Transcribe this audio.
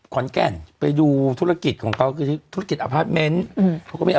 คลอดแก้นไปดูธุรกิจของเขาคือธุรกิจอาพาตเมนต์อืมเขาก็มี